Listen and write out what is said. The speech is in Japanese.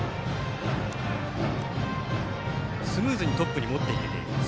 スムーズにトップに持っていけていると。